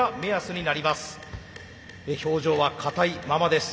表情は硬いままです。